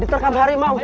di terkab harimau